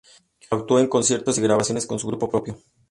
Actuó en conciertos y grabaciones con su grupo propio.